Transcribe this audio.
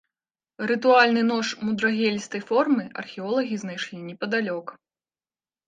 Рытуальны нож мудрагелістай формы археолагі знайшлі непадалёк.